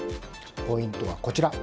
ポイントはこちら。